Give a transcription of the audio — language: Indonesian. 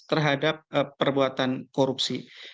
terhadap perbuatan korupsi